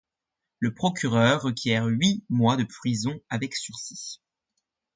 Le procureur requiert huit mois de prison avec sursis.